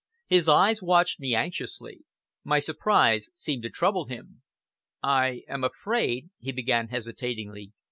His eyes watched me anxiously. My surprise seemed to trouble him. "I am afraid " he began hesitatingly.